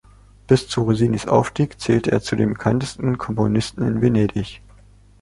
Bis zu Rossinis Aufstieg zählte er zu den bekanntesten Komponisten in Venedig.